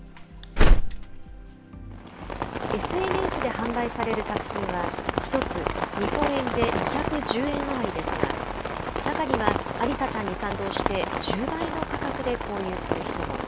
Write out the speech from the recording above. ＳＮＳで販売される作品は１つ、日本円で２１０円余りですが、中には、アリサちゃんに賛同して、１０倍の価格で購入する人も。